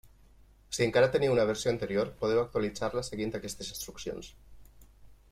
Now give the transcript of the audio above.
Si encara teniu una versió anterior, podeu actualitzar-la seguint aquestes instruccions.